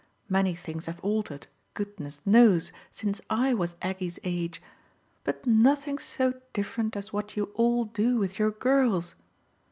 Many things have altered, goodness knows, since I was Aggie's age, but nothing's so different as what you all do with your girls.